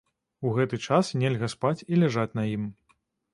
У гэты час нельга спаць і ляжаць на ім.